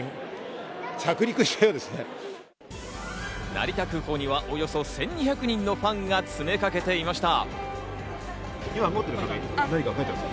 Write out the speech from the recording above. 成田空港にはおよそ１２００人のファンが詰めかけていました。